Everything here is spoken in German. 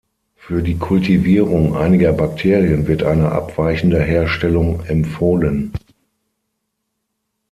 Für die Kultivierung einiger Bakterien wird eine abweichende Herstellung empfohlen.